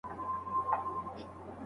ماشومان د استاد لارښوونه تعقیبوي.